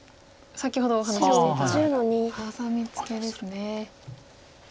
先ほどお話ししていたハサミツケですね。